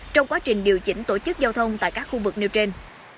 trong quá trình điều chỉnh tổ chức giao thông tại các khu vực nêu trên